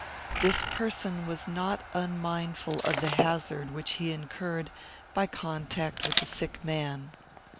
This person was not unmindful of the hazard which he incurred by contact with a sick man.